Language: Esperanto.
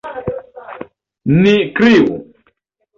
Ni kriu!